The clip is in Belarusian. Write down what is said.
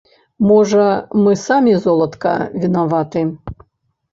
Можа, мы самі, золатка, вінаваты?